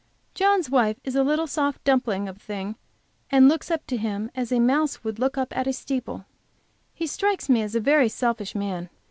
John's wife is a little soft dumpling thing, and looks up to him as a mouse would up at a steeple. He strikes me as a very selfish man.